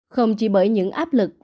không chỉ bởi những áp lực